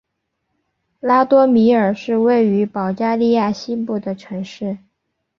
拉多米尔是位于保加利亚西部的城市。